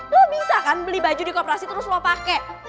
lo bisa kan beli baju di kooperasi terus lo pakai